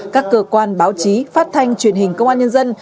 các cơ quan báo chí phát thanh truyền hình công an nhân dân